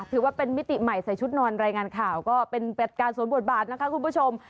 ถือว่าเป็นมิติใหม่ใส่ชุดนอนรายงานข่าวก็เป็นการสวมบทบาทนะคะคุณผู้ชม